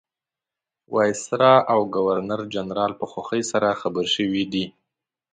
وایسرا او ګورنرجنرال په خوښۍ سره خبر شوي دي.